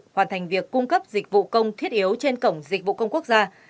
hoàn thành việc cung cấp dịch vụ công thiết yếu trên cổng dịch vụ công quốc gia